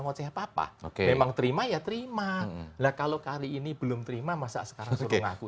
ngoseh papa oke emang terima ya terima lah kalau kali ini belum terima masa sekarang aku